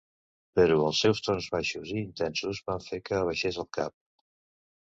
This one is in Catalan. Però els seus tons baixos i intensos van fer que abaixés el cap.